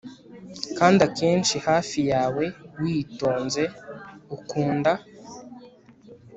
kandi akenshi hafi yawe witonze, ukunda